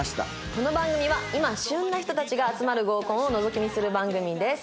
この番組は今旬な人たちが集まる合コンをのぞき見する番組です。